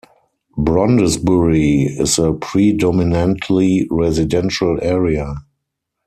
Brondesbury is a predominantly residential area.